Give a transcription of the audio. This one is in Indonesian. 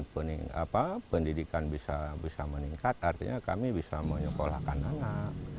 pendidikan bisa meningkat artinya kami bisa menyekolahkan anak